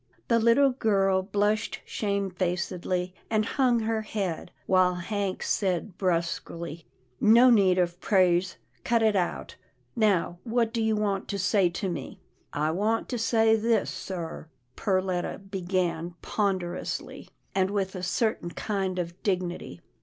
The little girl blushed shamefacedly, and hung her head, while Hank said brusquely, " No need of praise — cut it out, now what do you want to say to me? "" I want to say this sir," Perletta began ponder ously, and with a certain kind of dignity.